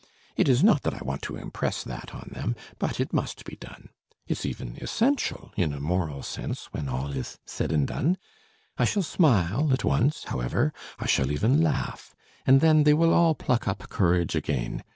It is not that I want to impress that on them, but it must be done ... it's even essential in a moral sense, when all is said and done. I shall smile at once, however, I shall even laugh, and then they will all pluck up courage again....